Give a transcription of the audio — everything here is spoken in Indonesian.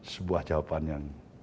sebuah jawaban yang